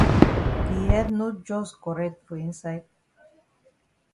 Yi head no jus correct for inside.